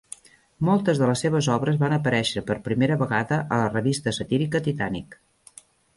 Moltes de les seves obres van aparèixer per primera vegada a la revista satírica "Titanic".